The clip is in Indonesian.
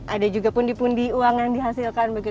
ada juga pundi pundi uang yang dihasilkan